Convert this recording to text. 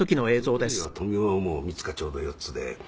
「その時には富美男はもう３つかちょうど４つで」